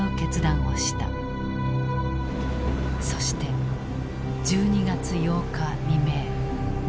そして１２月８日未明。